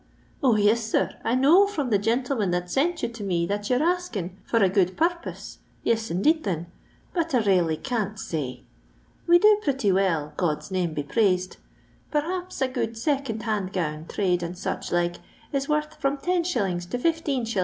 O, yes, sir, I know from the gentleman that sent yon to me that you 're asking for a good purpose : yifl, indeed, thin ; but I ralely can't say. We do pritty well, GihI's name be praised ! Perhaps a good second hand gown trade and such like is worth from 10«. to 15i.